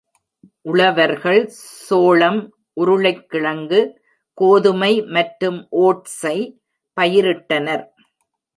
உழவர்கள் சோளம், உருளைக்கிழங்கு, கோதுமை மற்றும் ஓட்சை பயிரிட்டனர்.